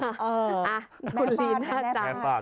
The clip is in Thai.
เข้าใจหรือเปล่าสมปอง